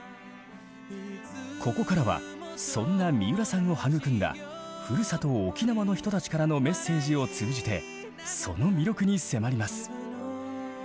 ここからはそんな三浦さんを育んだふるさと沖縄の人たちからのメッセージを通じてその魅力に迫ります。